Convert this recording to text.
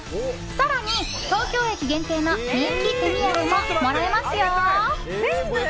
更に、東京駅限定の人気手土産ももらえますよ！